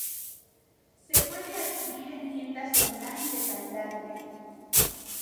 Se puede adquirir en tiendas online de Tailandia.